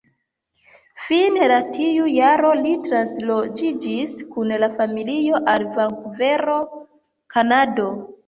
Fine de tiu jaro li transloĝiĝis kun la familio al Vankuvero, Kanado.